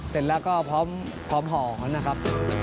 เสร็จแล้วก็พร้อมหอมนะครับ